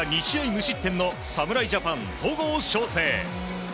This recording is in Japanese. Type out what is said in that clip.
無失点の侍ジャパン、戸郷翔征。